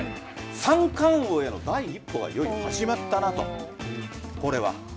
三冠王への第一歩がいよいよ始まったなと。